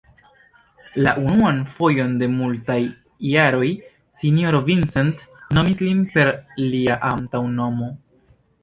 La unuan fojon de multaj jaroj sinjoro Vincent nomis lin per lia antaŭnomo.